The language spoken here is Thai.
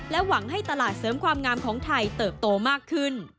หวังให้ตลาดเสริมความงามของไทยเติบโตมากขึ้น